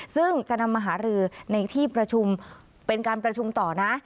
ซึ่งจะนำมาหารือในที่ประชุมเป็นการประชุมต่อนะ